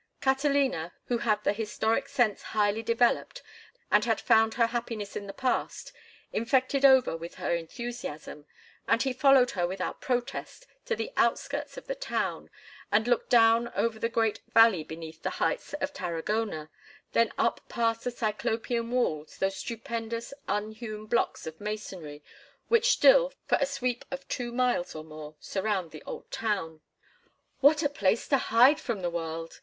Catalina, who had the historic sense highly developed and had found her happiness in the past, infected Over with her enthusiasm, and he followed her without protest to the outskirts of the town, and looked down over the great valley beneath the heights of Tarragona, then up past the Cyclopean walls, those stupendous, unhewn blocks of masonry which still, for a sweep of two miles or more, surround the old town. "What a place to hide from the world!"